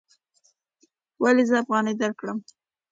ولې زه افغانۍ درکړم؟